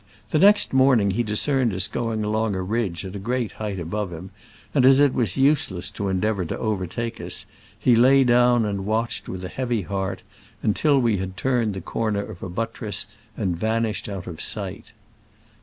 The next morning he discerned us going along a ridge at a great height above him, and as it was useless to endeavor to overtake us, he lay down and watch ed with a heavy heart until we had turned the corner of a buttress and van ished out of sight.